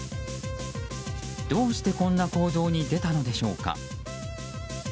どうして、こんな行動に出たのでしょうか。